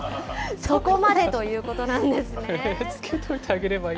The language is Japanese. そこまでということなんですね。